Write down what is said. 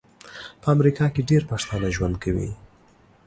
په امریکا کې ډیر پښتانه ژوند کوي